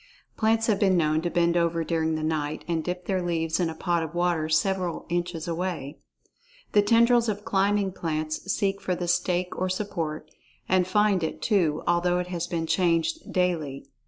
Plants have been known to bend over during the night and dip their leaves in a pot of water several inches away. The tendrils of climbing plants seek for the stake or support, and find it, too, although it has been changed daily.